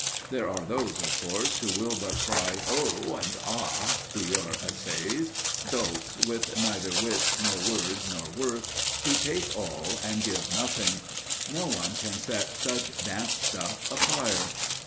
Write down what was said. There are those, of course, who will but cry "Oh!" and "Ah!" to your essays dolts with neither wits nor words nor worth, who take all and give nothing; no one can set such damp stuff afire.